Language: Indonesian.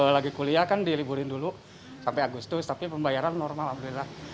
lagi kuliah kan diliburin dulu sampai agustus tapi pembayaran normal alhamdulillah